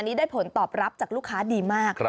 นี่ได้ผลตอบรับจากลูกค้าดีมาก